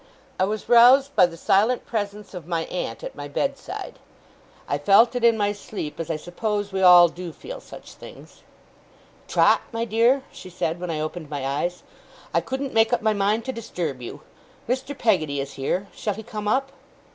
I was roused by the silent presence of my aunt at my bedside. I felt it in my sleep, as I suppose we all do feel such things. 'Trot, my dear,' she said, when I opened my eyes, 'I couldn't make up my mind to disturb you. Mr. Peggotty is here; shall he come up?